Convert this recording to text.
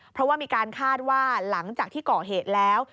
เพราะว่ามีการคาดว่าหลังจากที่ก่อเหตุแล้ว